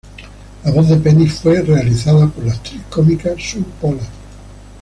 La voz de Penny fue realizada por la actriz cómica Su Pollard.